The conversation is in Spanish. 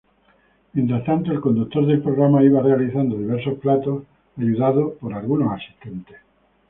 Mientras tanto el conductor del programa iba realizando diversos platos ayudado por algunos asistentes.